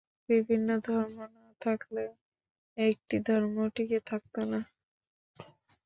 বিভিন্ন ধর্ম না থাকলে একটি ধর্মও টিকে থাকত না।